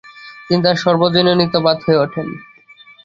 তিনি তার সার্বজনীনতাবাদ হয়ে ওঠেন।